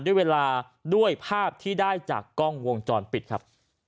ด้วยเวลาด้วยภาพที่ได้จากกล้องวงจรปิดครับ